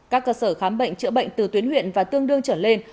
các cơ sở khám bệnh chữa bệnh từ tuyến huyện và tương đương trở lên